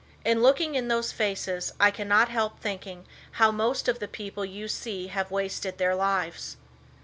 In looking in those faces I cannot help thinking how most of the people you see have wasted their lives.